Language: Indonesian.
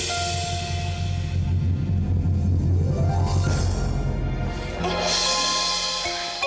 aida kamu bisa pergi dulu